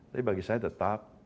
tapi bagi saya tetap